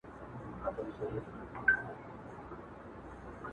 مور او پلار یې دواړو